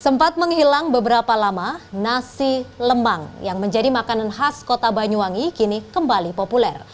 sempat menghilang beberapa lama nasi lemang yang menjadi makanan khas kota banyuwangi kini kembali populer